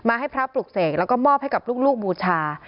ให้พระปลุกเสกแล้วก็มอบให้กับลูกบูชา